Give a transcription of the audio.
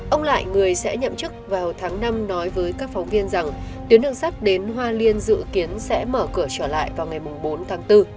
ông lại người sẽ nhậm chức vào tháng năm nói với các phóng viên rằng tuyến đường sắt đến hoa liên dự kiến sẽ mở cửa trở lại vào ngày bốn tháng bốn